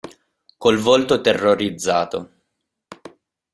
Col volto terrorizzato.